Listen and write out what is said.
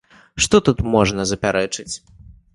Што тут можна запярэчыць?